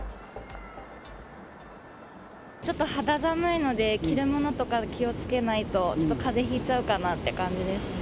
ちょっと肌寒いので、着るものとか気をつけないと、ちょっとかぜひいちゃうかなという感じですね。